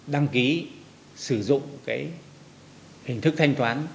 đăng ký sử dụng hình thức thanh toán